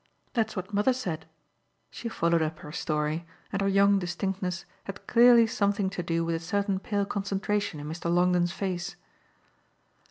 That's what mother said" she followed up her story, and her young distinctness had clearly something to do with a certain pale concentration in Mr. Longdon's face.